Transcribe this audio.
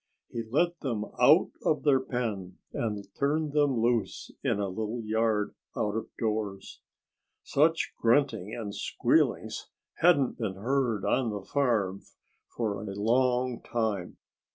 He let them out of their pen and turned them loose in a little yard out of doors. Such gruntings and squealings hadn't been heard on the farm for a long time.